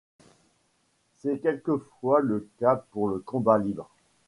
C’est quelquefois le cas pour le combat libre.